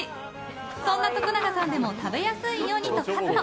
そんな徳永さんでも食べやすいようにとカット。